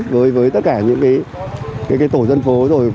với tất cả những tổ dân phố